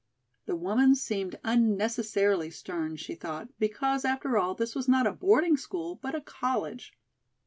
The woman seemed unnecessarily stern, she thought, because, after all, this was not a boarding school, but a college.